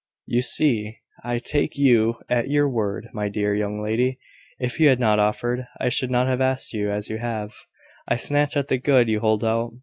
You see I take you at your word, my dear young lady. If you had not offered, I should not have asked you: as you have, I snatch at the good you hold out.